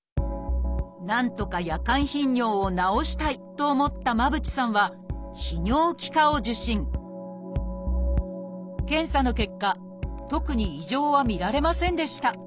なんとか夜間頻尿を治したいと思った間渕さんは検査の結果特に異常は見られませんでした。